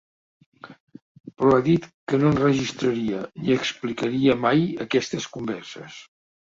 Però ha dit que no enregistraria ni explicaria mai aquestes converses.